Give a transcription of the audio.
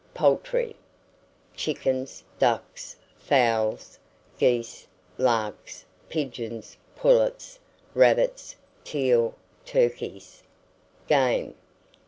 POULTRY. Chickens, ducks, fowls, geese, larks, pigeons, pullets, rabbits, teal, turkeys. GAME.